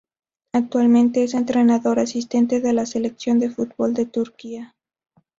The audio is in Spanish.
Actualmente es entrenador asistente de la selección de fútbol de Turquía.